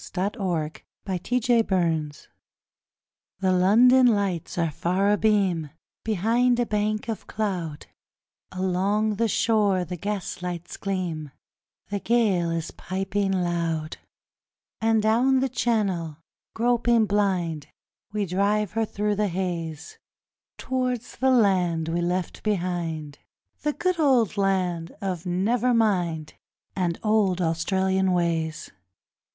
The Old Australian Ways The London lights are far abeam Behind a bank of cloud, Along the shore the gaslights gleam, The gale is piping loud; And down the Channel, groping blind, We drive her through the haze Towards the land we left behind The good old land of 'never mind', And old Australian ways.